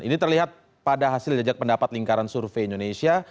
ini terlihat pada hasil jejak pendapat lingkaran survei indonesia